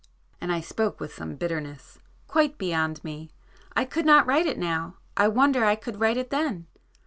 And I spoke with some bitterness. "Quite beyond me. I could not write it now,—I wonder I could write it then.